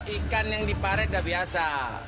ikan yang diparet dah biasa